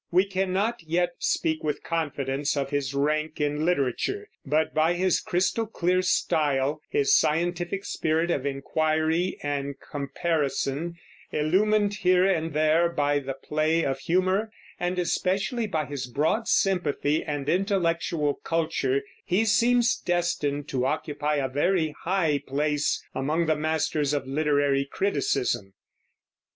We cannot yet speak with confidence of his rank in literature; but by his crystal clear style, his scientific spirit of inquiry and comparison, illumined here and there by the play of humor, and especially by his broad sympathy and intellectual culture, he seems destined to occupy a very high place among the masters of literary criticism.